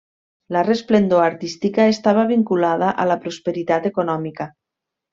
La resplendor artística estava vinculada a la prosperitat econòmica.